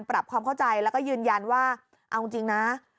ปรับความเข้าใจแล้วก็ยืนยันว่าเอาจริงนะ